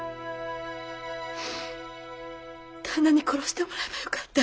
旦那に殺してもらえばよかった。